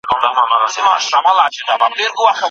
دا کوټه ډېره خاموشه ده.